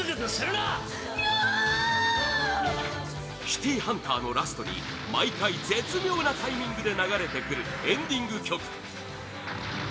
「シティハンター」のラストに毎回、絶妙なタイミングで流れてくるエンディング曲